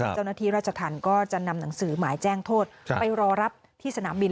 เจ้าหน้าที่ราชธรรมก็จะนำหนังสือหมายแจ้งโทษไปรอรับที่สนามบิน